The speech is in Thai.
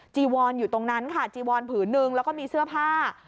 จีวอนอยู่ตรงนั้นค่ะจีวอนผืนนึงแล้วก็มีเสื้อผ้า